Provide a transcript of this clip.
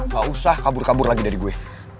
gak usah kabur kabur lagi dari gue